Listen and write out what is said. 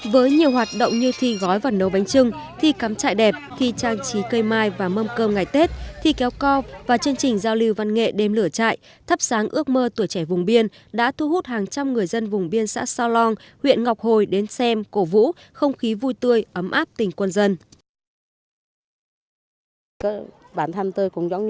với nhiều hoạt động như thi gói và nấu bánh trưng thi cắm chạy đẹp thi trang trí cây mai và mâm cơm ngày tết thi kéo co và chương trình giao lưu văn nghệ đêm lửa chạy thắp sáng ước mơ tuổi trẻ vùng biên đã thu hút hàng trăm người dân vùng biên xã sa long huyện ngọc hồi đến xem cổ vũ không khí vui tươi ấm áp tình quân dân